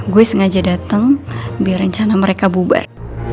gue sengaja datang biar rencana mereka bubar